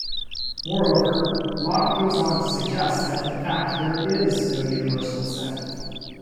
Moreover, Locke goes on to suggest that in fact there "is" no universal assent.